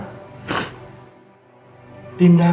tapi kamu sadar gak nak